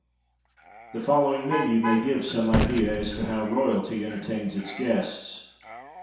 The following menu may give some idea as to how Royalty entertains its guests.